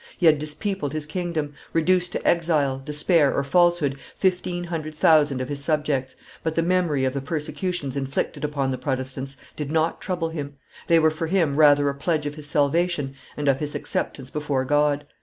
He had dispeopled his kingdom, reduced to exile, despair, or falsehood fifteen hundred thousand of his subjects, but the memory of the persecutions inflicted upon the Protestants did not trouble him; they were for him rather a pledge of his salvation and of his acceptance before God.